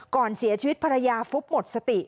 ก่อนเสียชีวิตภรรยาฟุบหมดสติ